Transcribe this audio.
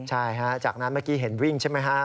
ใช่ฮะจากนั้นเมื่อกี้เห็นวิ่งใช่ไหมฮะ